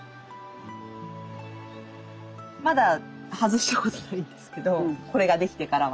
まだ外したことないんですけどこれができてからはね。